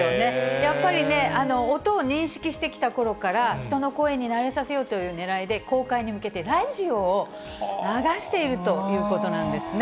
やっぱりね、音を認識してきたころから、人の声に慣れさせようというねらいで公開に向けて、ラジオを流しているというなんですね。